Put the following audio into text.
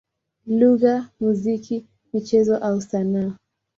lugha, muziki, michezo au sanaa.